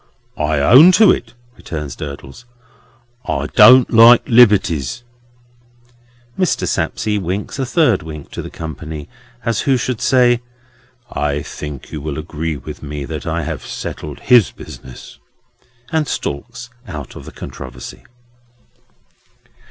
"I own to it," returns Durdles; "I don't like liberties." Mr. Sapsea winks a third wink to the company, as who should say: "I think you will agree with me that I have settled his business;" and stalks out of the controversy.